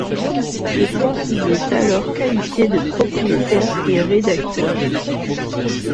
Le Pan y est alors qualifié de propriétaire et rédacteur.